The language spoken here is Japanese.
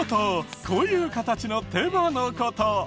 こういう形の手羽の事。